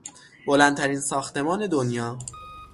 بلندترین ساختمان دنیا